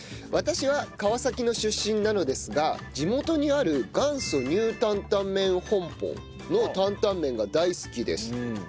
私は川崎の出身なのですが地元にある元祖ニュータンタンメン本舗のタンタンメンが大好きです。